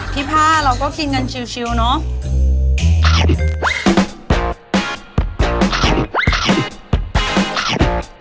พี่พ่าเราก็กินกันชิวเนอะ